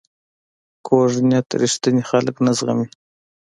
کوږ نیت رښتیني خلک نه زغمي